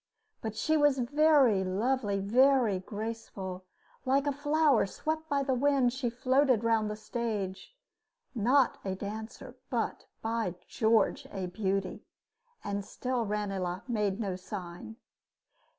But she was very lovely, very graceful, "like a flower swept by the wind, she floated round the stage" not a dancer, but, by George, a beauty! And still Ranelagh made no sign.